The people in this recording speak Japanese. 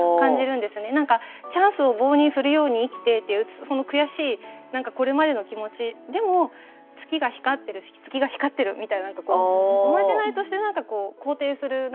何か「チャンスを棒に振るように生きて」っていうその悔しい何かこれまでの気持ちでも「月がひかってるし月がひかってる」みたいなところおまじないとして肯定する